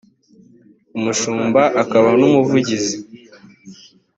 umushumba akaba n umuvugizi